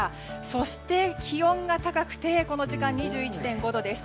そして気温が高くてこの時間、２１．５度です。